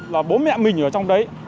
là bố mẹ mình ở trong đấy